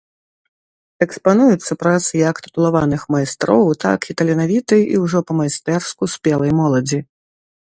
Экспануюцца працы як тытулаваных майстроў, так і таленавітай і ўжо па-майстэрску спелай моладзі.